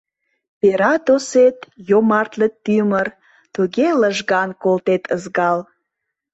Пера тосет, йомартле тӱмыр, Туге лыжган колтет ызгал.